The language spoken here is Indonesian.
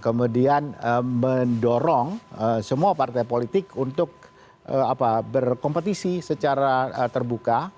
kemudian mendorong semua partai politik untuk berkompetisi secara terbuka